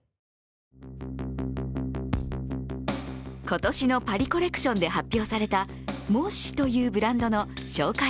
今年のパリコレクションで発表されたＭＯＳＳＩというブランドの紹介